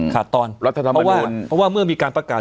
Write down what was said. ขาดตอนเพราะว่าเมื่อมีการประกาศ